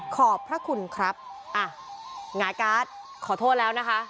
ขอบพระคุณครับอ่ะหงายการ์ดขอโทษแล้วนะคะ